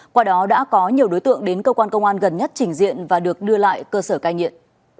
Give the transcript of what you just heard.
qua đó đã có nhiều đối tượng đến cơ quan công an gần nhất trình diện và được đưa lại cơ sở cai nghiện